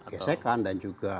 gesekan dan juga